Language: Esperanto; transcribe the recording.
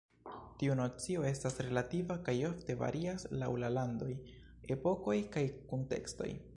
Tiu nocio estas relativa, kaj ofte varias laŭ la landoj, epokoj kaj kuntekstoj.